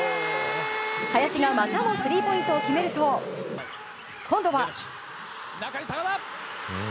林がまたもスリーポイントを決めると今度は。